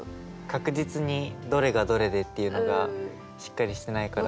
確実にどれがどれでっていうのがしっかりしてないから。